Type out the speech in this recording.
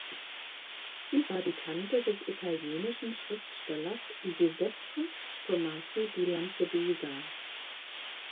Sie war die Tante des italienischen Schriftstellers Giuseppe Tomasi di Lampedusa.